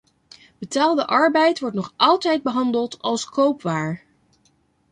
Betaalde arbeid wordt nog altijd behandeld als koopwaar.